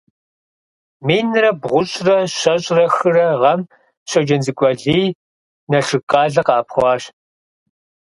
Минрэ бгъущIрэ щэщIрэ хырэ гъэм Щоджэнцӏыкӏу Алий Налшык къалэ къэӏэпхъуащ.